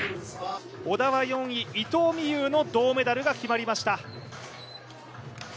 織田は４位、伊藤美優の銅メダルが決まりました。